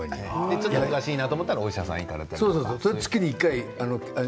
ちょっとおかしいなと思ったらお医者さんに行かれて。